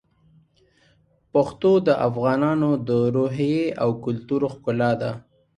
پښتو د افغانانو د روحیې او کلتور ښکلا ده.